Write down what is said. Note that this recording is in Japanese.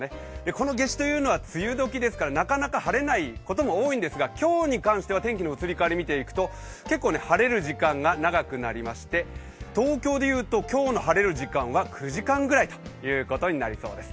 この夏至というのは梅雨時というのはなかなか晴れないことも多いんですが、今日に関しては天気の移り変わり見ていきますと、結構晴れる時間が長くなりまして、東京でいうと今日の晴れる時間は９時間ぐらいになりそうです。